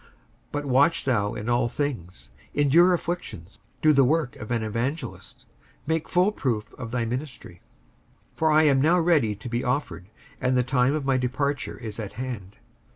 55:004:005 But watch thou in all things, endure afflictions, do the work of an evangelist, make full proof of thy ministry. 55:004:006 For I am now ready to be offered, and the time of my departure is at hand.